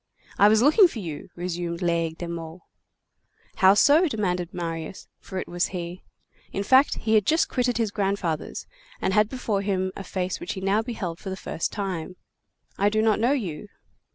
"I was looking for you," resumed Laigle de Meaux. "How so?" demanded Marius; for it was he: in fact, he had just quitted his grandfather's, and had before him a face which he now beheld for the first time. "I do not know you."